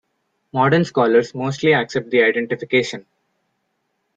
Modern scholars mostly accept the identification.